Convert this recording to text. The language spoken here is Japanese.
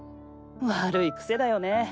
悪いクセだよね。